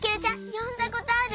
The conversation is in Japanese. よんだことある？